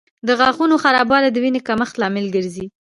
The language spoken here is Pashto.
د غاښونو خرابوالی د وینې کمښت لامل ګرځي.